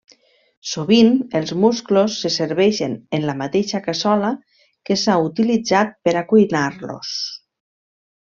Sovint, els musclos se serveixen en la mateixa cassola que s'ha utilitzat per a cuinar-los.